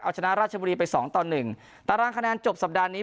เอาชนะราชบุรีไปสองต่อหนึ่งตารางคะแนนจบสัปดาห์นี้